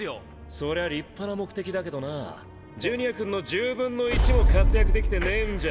そりゃあ立派な目的だけどなジュニア君の１０分の１も活躍できてねぇんじゃ